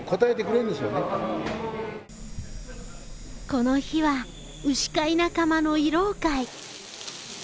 この日は牛飼い仲間の慰労会。